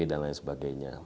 dan lain sebagainya